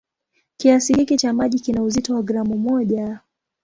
Kiasi hiki cha maji kina uzito wa gramu moja.